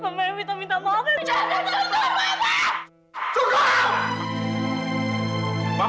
mama yang minta maaf mama yang minta maaf